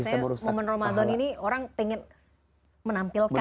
biasanya momen ramadan ini orang pengen menampilkan